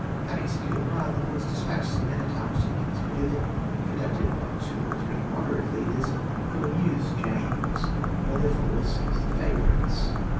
Having secured Mar, the lords despatched some men at arms to the king's pavilion, conducted by two or three moderate leaders, who amused James, while their followers seized the favourites.